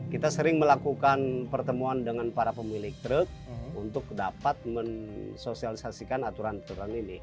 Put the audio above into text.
kita sering melakukan pertemuan dengan para pemilik truk untuk dapat mensosialisasikan aturan aturan ini